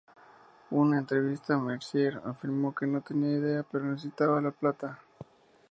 En una entrevista, Mercier afirmó que ""no tenía idea, pero necesitaba la plata.